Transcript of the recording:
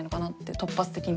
突発的に。